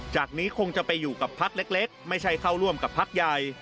จากนี้คงจะไปอยู่กับพักเล็กไม่ใช่เข้าร่วมกับพักใหญ่